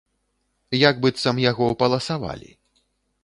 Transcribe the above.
Як быццам яго паласавалі.